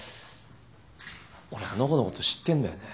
俺あの子のこと知ってんだよね。